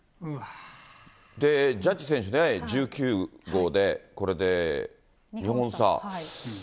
で、ジャッジ選手ね、１９号で、これで２本差。